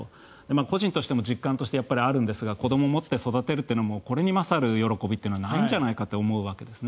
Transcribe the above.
個人としても実感としてあるんですが子どもを持って育てるというのはこれに勝る喜びはないんじゃないかと思うわけですね。